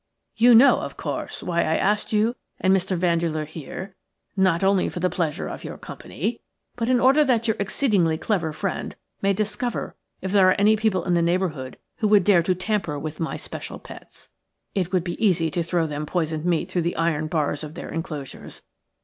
You know, of course, why I asked you and Mr. Vandeleur here? Not only for the pleasure of your company, but in order that your exceedingly clever friend may discover if there are any people in the neighbourhood who would dare to tamper with my special pets. It would be easy to throw them poisoned meat through the iron bars of their enclosures.